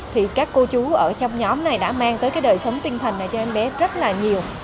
thì các cô chú ở trong nhóm này đã mang tới cái đời sống tinh thần này cho em bé rất là nhiều